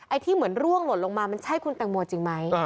ที่เหมือนร่วงหล่นลงมามันใช่คุณแตงโมจริงไหม